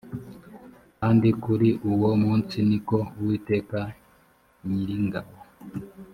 kandi kuri uwo munsi ni ko uwiteka nyiringabo